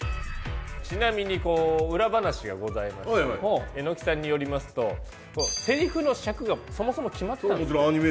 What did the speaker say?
ちなみにこう裏話がございまして榎木さんによりますとセリフの尺がそもそも決まってたんですって。